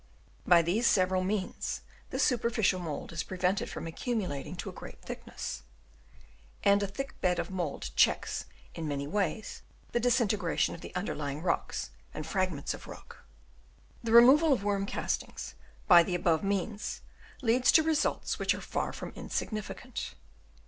By these several means the superficial mould is prevented from accumulating to a great thickness ; and a thick bed of mould checks in many ways the disintegration of the underlying rocks and fragments of rock. The removal of worm castings by the above means leads to results which are far from insignificant.